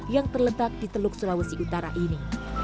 yang terletak di teluk sulawesi utara ini